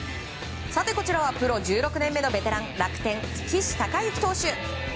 こちらはプロ１６年目のベテラン楽天、岸孝之投手。